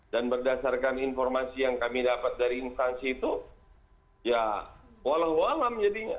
dan berdasarkan informasi yang kami dapat dari instansi itu ya walang walang jadinya